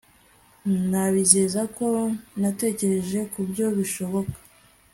ndabizeza ko natekereje kubyo bishoboka